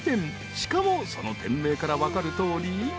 ［しかもその店名から分かるとおり］